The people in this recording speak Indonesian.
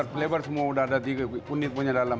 flavor semua sudah ada di kunyit punya dalam